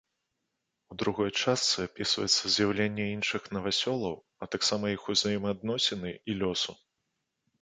У другой частцы, апісваецца з'яўленне іншых навасёлаў, а таксама іх узаемаадносіны і лёсу.